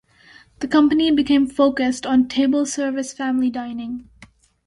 The company became focused on table-service family dining.